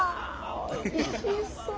おいしそう。